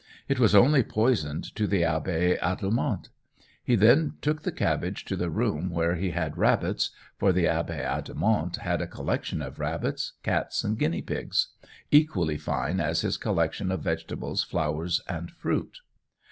It was only poisoned to the Abbé Adelmonte. He then took the cabbage to the room where he had rabbits, for the Abbé Adelmonte had a collection of rabbits, cats, and guinea pigs, equally fine as his collection of vegetables, flowers, and fruit.